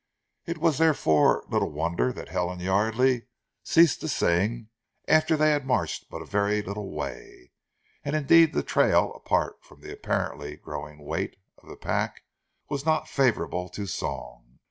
It was therefore little wonder that Helen Yardely ceased to sing after they had marched but a very little way; and indeed the trail, apart from the apparently growing weight of the pack, was not favourable to song.